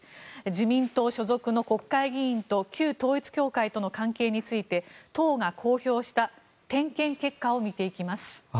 自民党所属の国会議員と旧統一教会との関係について党が公表した点検結果を見ていきます。